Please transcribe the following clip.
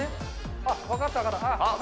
あっ、分かった、分かった。